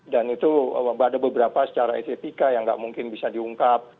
dan itu ada beberapa secara etetika yang nggak mungkin bisa diungkap